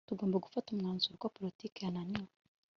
tugomba gufata umwanzuro ko politiki yananiwe